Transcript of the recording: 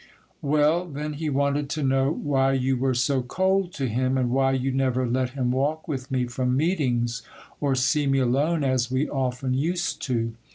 'Well, then he wanted to know why you were so cold to him, and why you never let him walk with me from meetings, or see me alone as we often used to.